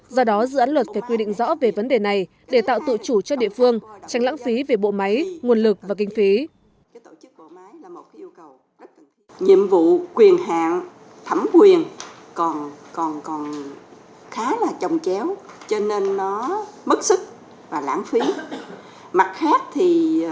do đó dự án luật phải quy định rõ về vấn đề này để tạo tự chủ cho địa phương tránh lãng phí về bộ máy nguồn lực và kinh phí